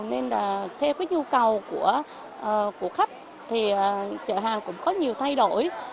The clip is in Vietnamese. nên là theo cái nhu cầu của khách thì chợ hàng cũng có nhiều thay đổi